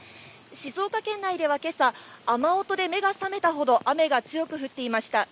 静岡県内ではけさ、雨音で目が覚めたほど雨が強く降っていました。